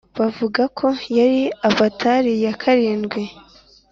bavuga ko yari avatar ya karindwi